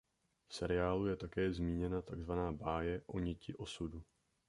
V seriálu je také zmíněna takzvaná Báje o niti osudu.